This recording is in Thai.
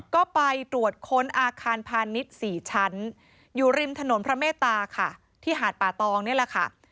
ก็ไปตรวจค้นอาคารพาณิชย์๔ชั้นอยู่ริมถนนพระเมตตาค่ะที่หาดป่าตองนี่แหละค่ะ